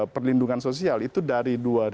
perlindungan sosial itu dari dua ribu